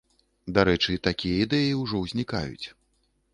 Дарэчы, такія ідэі ўжо ўзнікаюць.